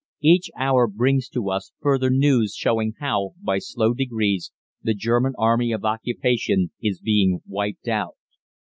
"Each hour brings to us further news showing how, by slow degrees, the German army of occupation is being wiped out.